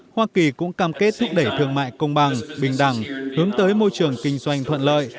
hoa kỳ cũng cam kết thúc đẩy thương mại công bằng bình đẳng hướng tới môi trường kinh doanh thuận lợi